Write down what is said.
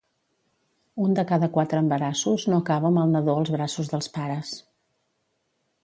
Un de cada quatre embarassos no acaba amb el nadó als braços dels pares.